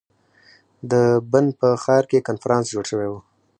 د بن په ښار کې کنفرانس جوړ شوی ؤ.